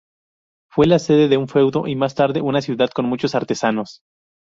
Fue la sede de un feudo, y más tarde una ciudad con muchos artesanos.